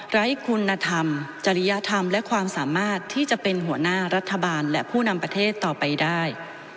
ไร้คุณธรรมจริยธรรมและความสามารถที่จะเป็นหัวหน้ารัฐบาลและผู้นำประเทศต่อไปได้